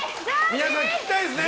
皆さん、聴きたいですね？